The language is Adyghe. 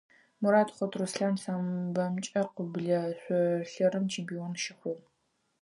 Мары Хъут Руслъан самбомкӀэ къыблэ шъолъырым чемпион щыхъугъ.